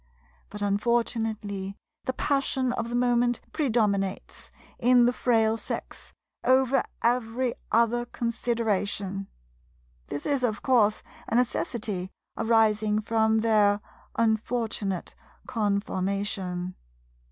But unfortunately the passion of the moment predominates, in the Frail Sex, over every other consideration. This is, of course, a necessity arising from their unfortunate conformation.